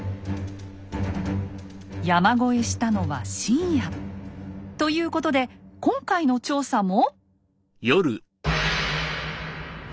山越えしたのは深夜。ということで今回の調査も。